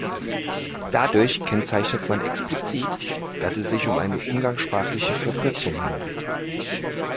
Dadurch kennzeichnet man explizit, dass es sich um eine umgangssprachliche Verkürzung handelt.